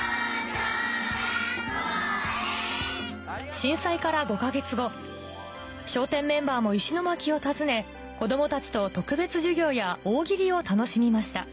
震災から５か月後笑点メンバーも石巻を訪ね子供たちと特別授業や「大喜利」を楽しみました